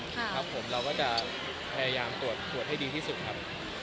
เราจะพยายามตรวจให้ดีที่สุดครับ